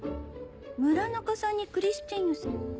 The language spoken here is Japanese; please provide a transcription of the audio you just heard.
村中さんにクリスティーヌさん。